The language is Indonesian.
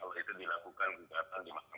terkait dengan itu kami tentu menghormati prosesnya